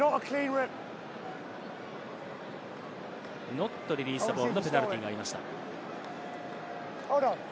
ノットリリースザボールのペナルティーがありました。